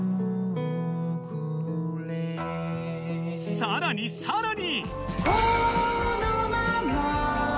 さらにさらに。